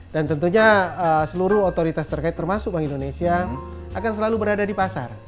dan tentunya seluruh otoritas terkait termasuk bank indonesia akan selalu berada di pasar